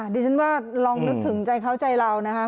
ดิฉันว่าลองนึกถึงใจเขาใจเรานะคะ